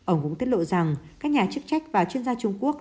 ông cũng tiết lộ rằng các nhà chức trách và chuyên gia trung quốc